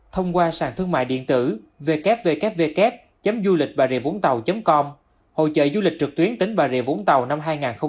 thông qua sản thương mại điện tử www duelịchbarievungtao com hội chợ du lịch trực tuyến tỉnh bà rịa vũng tàu năm hai nghìn hai mươi ba